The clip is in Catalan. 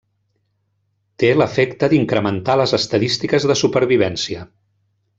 Té l'efecte d'incrementar les estadístiques de supervivència.